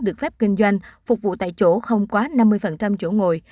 được phép kinh doanh phục vụ tại chỗ không quá năm mươi chỗ ngồi